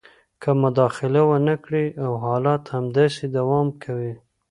که مداخله ونه کړي او حالات همداسې دوام کوي